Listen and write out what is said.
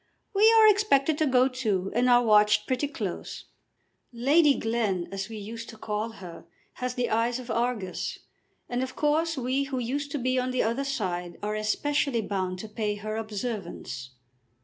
"We are expected to go too, and are watched pretty close. Lady Glen, as we used to call her, has the eyes of Argus. And of course we who used to be on the other side are especially bound to pay her observance."